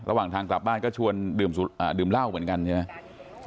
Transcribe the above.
ระหว่างทางกลับบ้านก็ชวนดื่มเหล้าเหมือนกันใช่ไหม